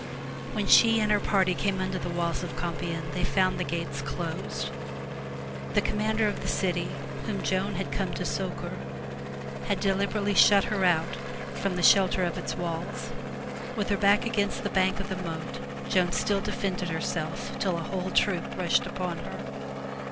When she and her party came under the walls of Compiegne, they found the gates closed. The com mander of the city whom Joan had come to succor, had deliberately shut her out from the shelter of its walls. With her back against the bank of the moat, Joan still defended herself till a whole troop rushed upon her.